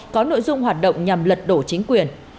có nội dung hoạt động nhằm lật đổ chính quyền